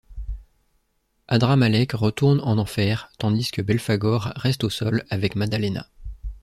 Adramalek retourne en enfer, tandis que Belfagor reste au sol avec Maddalena.